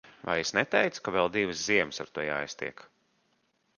Vai es neteicu, ka vēl divas ziemas ar to jāiztiek.